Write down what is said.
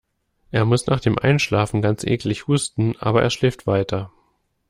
Er muss nach dem Einschlafen ganz eklig husten, aber er schläft weiter.